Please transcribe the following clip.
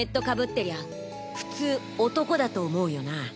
てりゃ普通男だと思うよな？